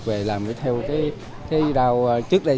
về làm theo cái rau trước đây